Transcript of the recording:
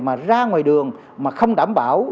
mà ra ngoài đường mà không đảm bảo